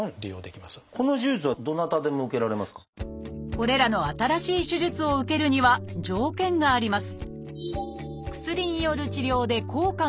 これらの新しい手術を受けるには条件があります